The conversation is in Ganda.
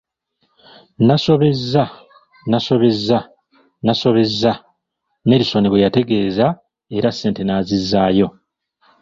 Nasobezza, nasobezza, nasobezza, Nelisoni bwe yategeeza era sente n'azizaayo.